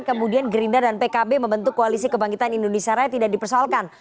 kemudian gerindra dan pkb membentuk koalisi kebangkitan indonesia raya tidak dipersoalkan